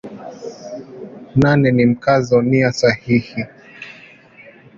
Nane ni Mkazo nia sahihi.